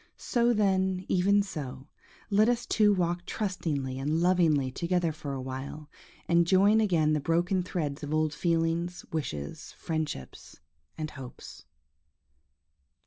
So, then, even so, let us two walk trustingly and lovingly together for a while, and join again the broken threads of old feelings, wishes, friendships, and hopes.